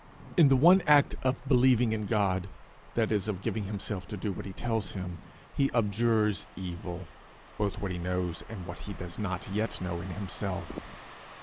In the one act of believing in God that is, of giving himself to do what he tells him he abjures evil, both what he knows and what he does not yet know in himself.